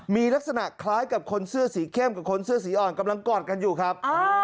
มีลักษณะคล้ายกับคนเสื้อสีเข้มกับคนเสื้อสีอ่อนกำลังกอดกันอยู่ครับ